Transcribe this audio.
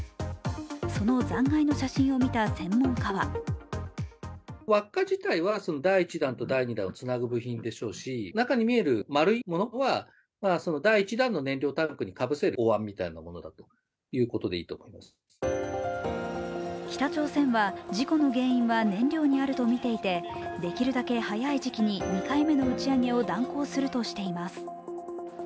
その残骸の写真を見た専門家は北朝鮮は事故の原因は燃料にあるとみていて、できるだけ早い時期に２回目の打ち上げを断行するとしています。